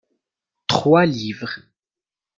Trois livres.